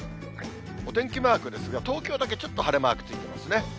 お天気マークですが、東京だけちょっと晴れマークついてますね。